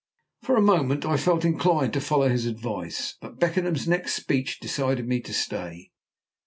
For a moment I felt inclined to follow his advice, but Beckenham's next speech decided me to stay.